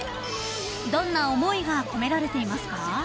［どんな思いが込められていますか？］